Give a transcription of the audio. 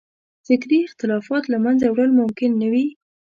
فکري اختلافات له منځه وړل ممکن نه وي.